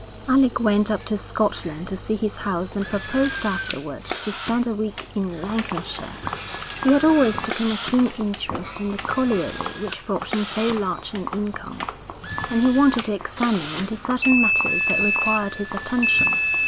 Alec went up to Scotland to see his house and proposed afterwards to spend a week in Lancashire. He had always taken a keen interest in the colliery which brought him so large an income, and he wanted to examine into certain matters that required his attention.